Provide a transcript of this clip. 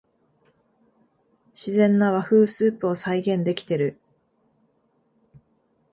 自然な和風スープを再現できてる